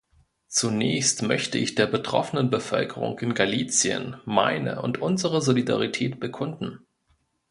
Zunächst möchte ich der betroffenen Bevölkerung in Galicien meine und unsere Solidarität bekunden.